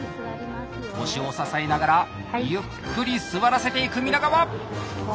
腰を支えながらゆっくり座らせていく皆川！